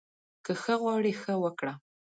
که ښه غواړې، ښه وکړه